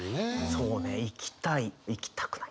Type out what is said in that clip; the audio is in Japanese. そうね行きたい行きたくないかな。